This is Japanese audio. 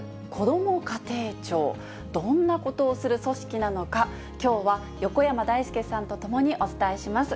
どんなことをする組織なのか、きょうは横山だいすけさんと共にお伝えします。